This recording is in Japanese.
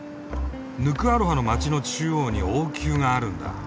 ヌクアロファの街の中央に王宮があるんだ。